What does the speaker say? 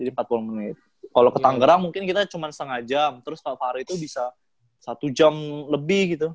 jadi empat puluh menit kalau ke tangerang mungkin kita cuma setengah jam terus kalau fahri tuh bisa satu jam lebih gitu